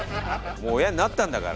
もう親になったんだから。